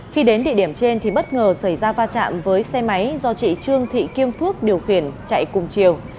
khi đến địa điểm trên thì bất ngờ xảy ra va chạm với xe máy do chị trương thị kim phước điều khiển chạy cùng chiều